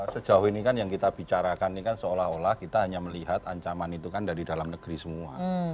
sejauh ini kan yang kita bicarakan ini kan seolah olah kita hanya melihat ancaman itu kan dari dalam negeri semua